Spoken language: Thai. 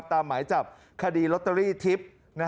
ตามหมายจับขดีลอตเตอรี่ทริป